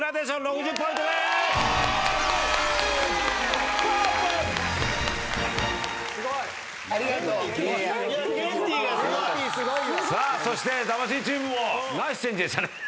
ケンティーがすごい。さあそして魂チームもナイスチェンジでしたねフフ。